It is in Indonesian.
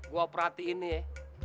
gue perhatiin nih ya